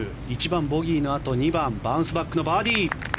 １番、ボギーのあと２番バウンスバックのバーディー。